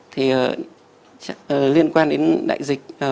thì liên quan đến đại dịch